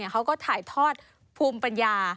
เขาก็ถ่ายทอดภูมิปัญญา